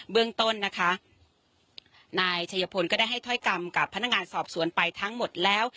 เรื่องต้นนะคะนายชัยพลก็ได้ให้ถ้อยกรรมกับพนักงานสอบสวนไปทั้งหมดแล้ว